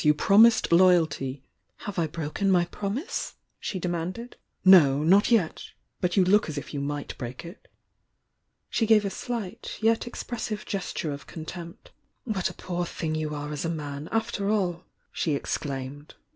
You prom ised loyalty " "Have I broken my promise?" she demanded. "No — not yet! But you look as if you might break it!" She gave a slight, yet expressive gesture of con tempt. "What a poor thing you are as a man, after all!" she exclaimed.